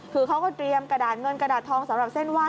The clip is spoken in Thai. คือเขาก็เตรียมกระดาษเงินกระดาษทองสำหรับเส้นไหว้